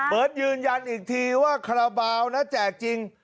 เบิร์ตยืนยันอีกทีว่าขระเบานะแจกจริง